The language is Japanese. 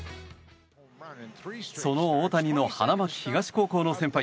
その大谷の花巻東高校の先輩